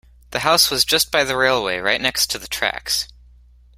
The house was just by the railway, right next to the tracks